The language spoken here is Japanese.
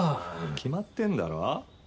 決まってんだろ。